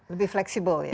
lebih fleksibel ya